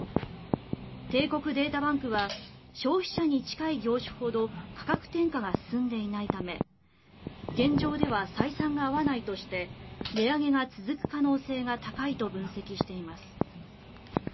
帝国データバンクは消費者に近い業種ほど価格転嫁が進んでいないため現状では採算が合わないとして値上げが続く可能性が高いと分析しています。